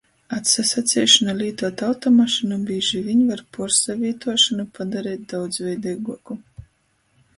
Atsasaceišona lītuot automašynu bīži viņ var puorsavītuošonu padareit daudzveideiguoku.